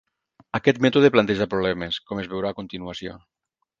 Aquest mètode planteja problemes, com es veurà a continuació.